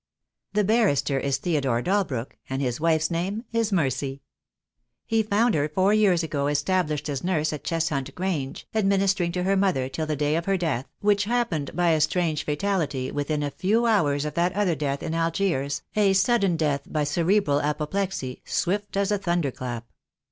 The barrister is Theodore Dalbrook, and his wife's name is Mercy. He found her four years ago established as nurse at Cheshunt Grange, administering to her mother till the day of her death, which happened by a strange fatality within a few hours of that other death in Algiers, a sudden death by cerebral apoplexy, swift as a thunder clap.